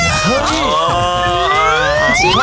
อ๋อชิมหรอ